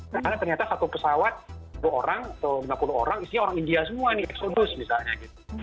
karena ternyata satu pesawat sepuluh orang atau lima puluh orang isinya orang india semua nih eksodus misalnya gitu